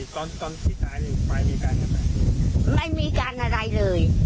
ตอนตอนที่ตายนี่ไม้มีการอะไรไม่มีการอะไรเลย